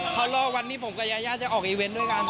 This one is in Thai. เขารอวันนี้ผมกับยายาจะออกอีเวนต์ด้วยกัน